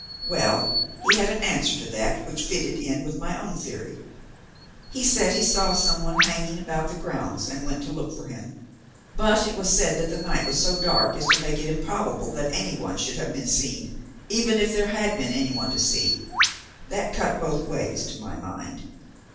Well, he had an answer to that which fitted in with my own theory. He said he saw some one hanging about the grounds, and went to look for him. But it was said that the night was so dark as to make it improbable that anyone should have been seen, even if there had been anyone to see. That cut both ways, to my mind.